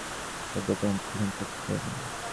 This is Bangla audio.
সাজ্জাদ হোসেন তীক্ষ্ণ চোখে তাকিয়ে রইলেন।